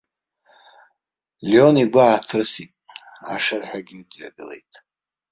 Леон игәы ааҭрысит, ашырҳәагьы дҩагылеит.